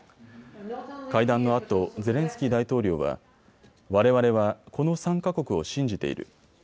会談のあとゼレンスキー大統領はわれわれはこの３か国を信じている。